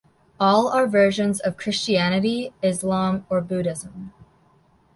All are versions of Christianity, Islam or Buddhism.